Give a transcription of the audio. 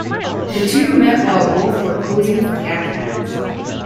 The two met while both were posing for Gap ads.